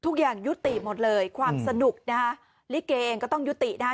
ทุกอย่างยุติหมดเลยความสนุกนะฮะลิเกเองก็ต้องยุตินะฮะ